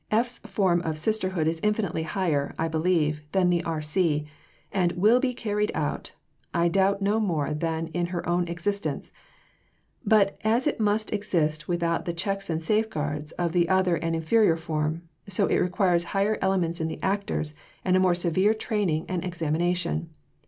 F.'s form of Sisterhood is infinitely higher, I believe, than the R.C. and will be carried out, I doubt no more than in her own existence, but as it must exist without the checks and safeguards of the other and inferior form, so it requires higher elements in the actors and a more severe training and examination.